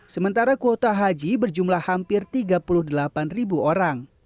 sementara kuota haji berjumlah hampir tiga puluh delapan ribu orang